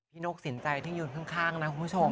นกสินใจที่ยืนข้างนะคุณผู้ชม